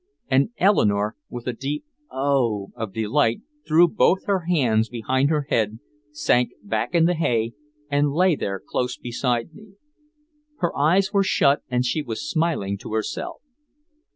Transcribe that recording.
And Eleanore with a deep "Oh h" of delight threw both her hands behind her head, sank back in the hay and lay there close beside me. Her eyes were shut and she was smiling to herself.